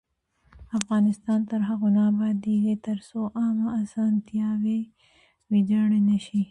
افغانستان تر هغو نه ابادیږي، ترڅو عامه اسانتیاوې ویجاړې نشي.